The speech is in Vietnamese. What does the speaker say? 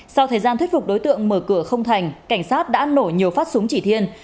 sau thời gian thuyết phục đối tượng mở cửa không thành cảnh sát đã nổ nhiều phát súng chỉ thiên